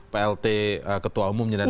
plt ketua umum